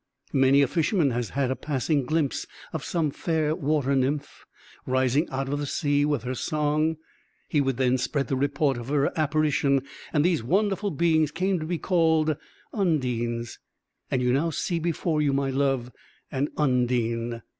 Many a fisherman has had a passing glimpse of some fair water nymph, rising out of the sea with her song; he would then spread the report of her apparition, and these wonderful beings came to be called Undines. And you now see before you, my love, an Undine."